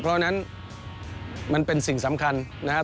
เพราะฉะนั้นมันเป็นสิ่งสำคัญนะครับ